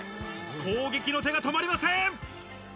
攻撃の手が止まりません。